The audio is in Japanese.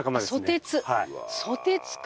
ソテツか。